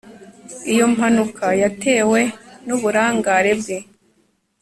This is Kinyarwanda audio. Iyo mpanuka yatewe nuburangare bwe